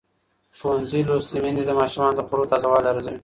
ښوونځې لوستې میندې د ماشومانو د خوړو تازه والی ارزوي.